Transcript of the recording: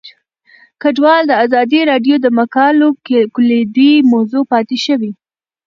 کډوال د ازادي راډیو د مقالو کلیدي موضوع پاتې شوی.